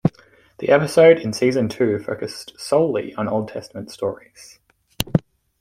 The episodes in Season Two focused solely on Old Testament stories.